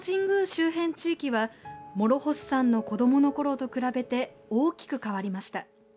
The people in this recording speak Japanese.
周辺地域は諸星さんの子どものころと比べて大きく変わりました。